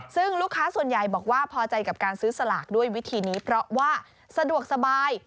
ซึ่งลูกค้าส่วนใหญ่บอกว่าพอใจกับการซื้อสลากด้วยวิธีนี้เพราะว่าสะดวกสบาย